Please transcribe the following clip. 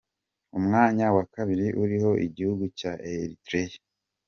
Umwanya wa kabiri uriho igihugu cya Eritrea.